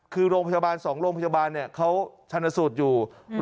คือโรงพยาบาล๒โรงพยาบาลเขาชนสูตรอยู่